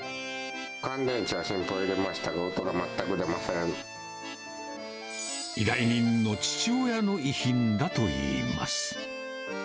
乾電池は新品を入れましたが、依頼人の父親の遺品だといいます。